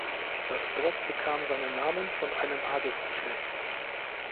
Das Dorf bekam seinen Namen von einem Adelsgeschlecht.